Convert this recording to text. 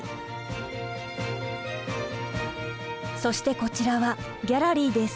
そしてこちらはギャラリーです。